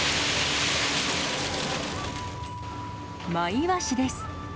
マイワシです。